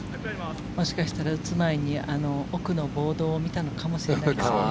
もしかしたら打つ前に奥のボードを見たのかもしれないですね。